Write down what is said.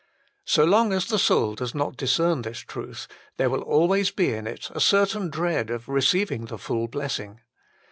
So long as the soul does not discern this truth there will always be in it a certain dread of receiving the full blessing.